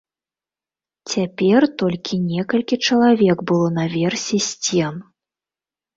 Цяпер толькі некалькі чалавек было на версе сцен.